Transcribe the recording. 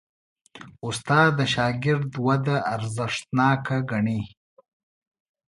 استاد د شاګرد وده ارزښتناک ګڼي.